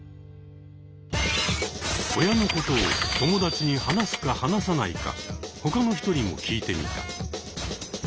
親のことを友達に話すか話さないか他の人にも聞いてみた。